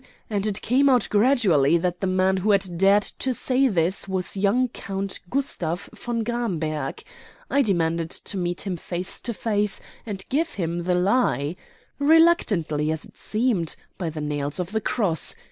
And it came out gradually that the man who had dared to say this was young Count Gustav von Gramberg. I demanded to meet him face to face and give him the lie. Reluctantly, as it seemed by the nails of the Cross!